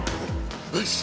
よし！